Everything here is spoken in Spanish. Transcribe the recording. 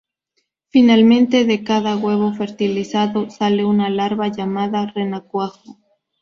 Finalmente, de cada huevo fertilizado sale una larva llamada renacuajo.